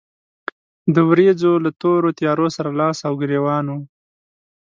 د ورېځو له تورو تيارو سره لاس او ګرېوان و.